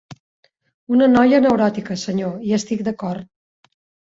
Una noia neuròtica, senyor, hi estic d'acord.